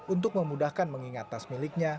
untuk memudahkan mengingat tas miliknya